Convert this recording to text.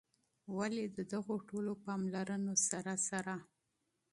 ولي د دغو ټولو پاملرونو سره سره